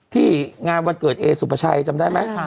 ที่งานวันเกิดเอสุภาชัยจำได้ไหม